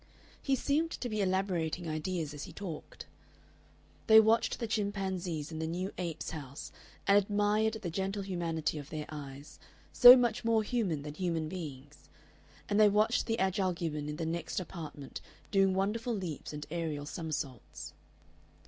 He seemed to be elaborating ideas as he talked. They watched the chimpanzees in the new apes' house, and admired the gentle humanity of their eyes "so much more human than human beings" and they watched the Agile Gibbon in the next apartment doing wonderful leaps and aerial somersaults.